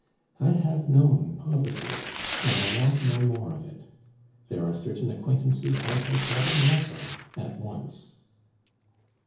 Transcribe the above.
I have known poverty, and I want no more of it. There are certain acquaintances one has had enough of at once."